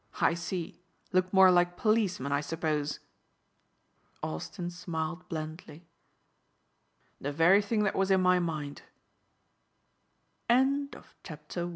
"I see. Look more like policemen I suppose?" Austin smiled blandly. "The very thing that was in my mind." CHAPTER II ANTHONY TRENT T